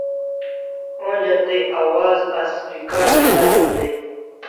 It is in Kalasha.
Onja tai awaz as recard karim dai